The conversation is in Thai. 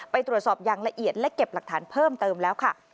ไปตรวจสอบอย่างละเอียดและเก็บหลักฐานเพิ่มเติมแล้วค่ะ